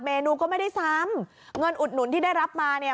นูก็ไม่ได้ซ้ำเงินอุดหนุนที่ได้รับมาเนี่ย